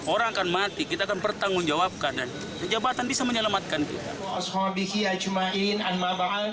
orang akan mati kita akan pertanggungjawabkan dan jabatan bisa menyelamatkan kita